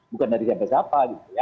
bukan dari siapa siapa